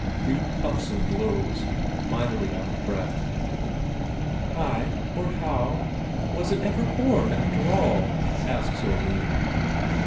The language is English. Brede puffs and blows, mightily out of breath. "Ay, or how was it ever born, after all?" asks Oline.